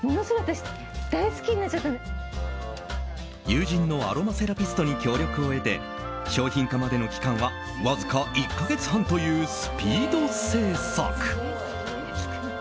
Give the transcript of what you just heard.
友人のアロマセラピストに協力を得て商品化までの期間はわずか１か月半というスピード製作。